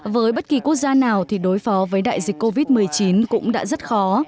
với bất kỳ quốc gia nào thì đối phó với đại dịch covid một mươi chín cũng đã rất khó